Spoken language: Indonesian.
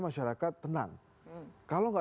masyarakat tenang kalau nggak